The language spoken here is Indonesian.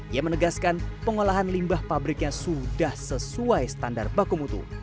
ia menegaskan pengolahan limbah pabriknya sudah sesuai standar bakumutu